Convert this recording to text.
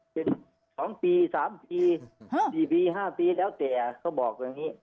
เป็น๒ปี๓ปี๔ปี๕ปีแล้วแต่เขาบอกอย่างนี้